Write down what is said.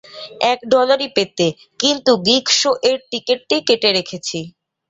এক ডলারই পেতে, কিন্তু গিক শো এর টিকেটটা কেটে রেখেছি।